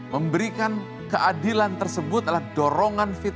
memberikan keadilan tersebut adalah dorongan fitnah